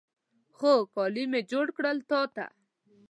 خو، کالي مې جوړ کړل تا ته